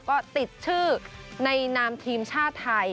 ก็ติดชื่อในนามทีมชาติไทย